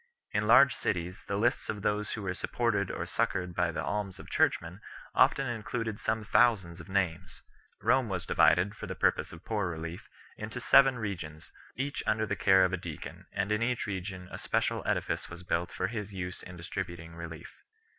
In large cities the lists of those who were supported or succoured by the alms of churchmen often included some thousands of names. Rome was divided, for the purpose of poor relief, into seven regions, each under the care of a deacon, and in each region a special edifice 4 was built for his use in dis tributing relief.